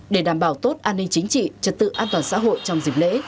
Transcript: để đảm bảo tốt an ninh chính trị trật tự an toàn xã hội trong dịp lễ